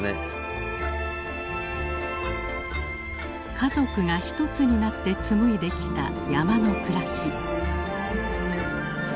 家族が一つになって紡いできた山の暮らし。